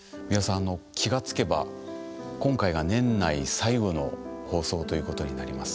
あの気が付けば今回が年内最後の放送ということになります。